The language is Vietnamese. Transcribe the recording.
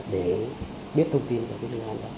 để biết thông tin của cái dự án đó